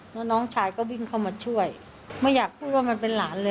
แล้วน้องชายก็วิ่งเข้ามาช่วยไม่อยากพูดว่ามันเป็นหลานเลย